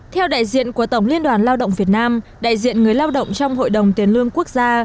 theo đại diện của tổng liên đoàn lao động việt nam đại diện người lao động trong hội đồng tiền lương quốc gia